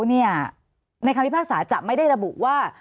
ในคำพิพากษาจะไม่ได้ระบุว่า